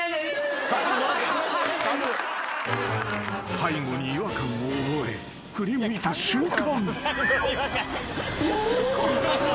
［背後に違和感を覚え振り向いた瞬間］